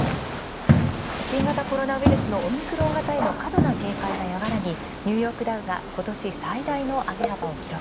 新型コロナウイルスのオミクロンがたへの過度な警戒がやわらぎ、ニューヨークダウが今年最大の上げ幅を記録。